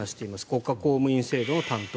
国家公務員制度の担当。